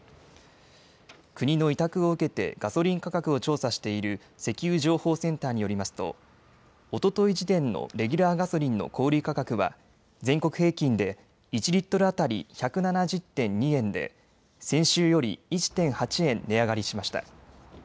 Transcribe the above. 国の委託を受けてガソリン価格を調査している石油情報センターによりますとおととい時点のレギュラーガソリンの小売価格は全国平均で１リットル当たり１７０．２円で先週より１．８円値上がりしました。